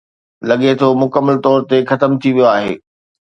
لڳي ٿو مڪمل طور تي ختم ٿي ويو آهي.